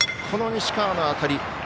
この西川の当たり。